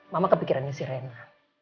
mama kepikirannya si rena